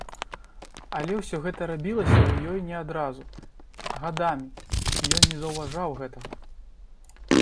Але ўсё гэта рабілася ў ёй не адразу, гадамі, і ён не заўважаў гэтага.